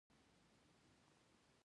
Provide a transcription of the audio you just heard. د قدرت برخه نه وي